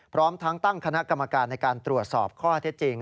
พร้อมทั้งตั้งคณะกรรมการในการตรวจสอบข้อเท็จจริง